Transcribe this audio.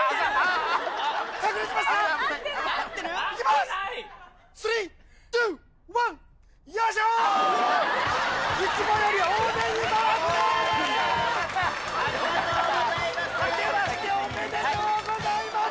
ありがとうございます。